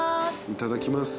いただきます。